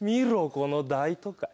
この大都会。